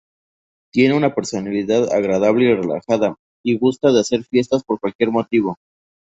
Tiene una personalidad agradable y relajada y gusta de hacer fiestas por cualquier motivo.